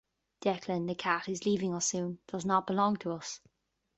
Declan, the cat who's leaving us soon, does not belong to us.